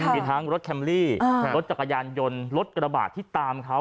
มีทั้งรถแคมลี่รถจักรยานยนต์รถกระบาดที่ตามเขา